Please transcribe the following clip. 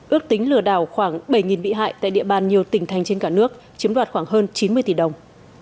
ước tính lừa đảo khoảng bảy bị hại tại địa bàn nhiều tỉnh thành trên cả nước chiếm đoạt khoảng hơn chín mươi tỷ đồng